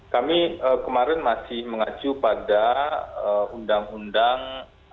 kami kemarin masih mengacu pada undang undang